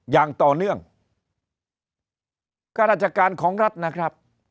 อย่างต่อเนื่องข้าราชการของรัฐนะครับ